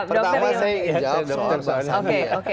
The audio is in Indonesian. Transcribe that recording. pertama saya ingin jawab soalnya